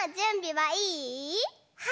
はい！